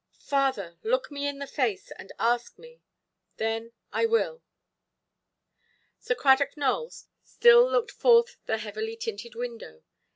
"Father, look me in the face, and ask me; then I will". Sir Cradock Nowell still looked forth the heavily–tinted window.